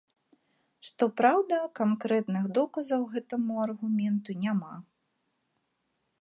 Што праўда, канкрэтных доказаў гэтаму аргументу няма.